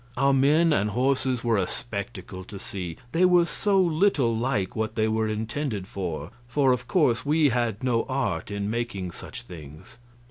Our men and horses were a spectacle to see, they were so little like what they were intended for; for, of course, we had no art in making such things.